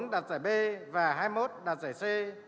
một mươi bốn đạt giải b và hai mươi một đạt giải c